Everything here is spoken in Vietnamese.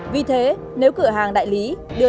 vì thế nếu cửa hàng đại lý đưa lý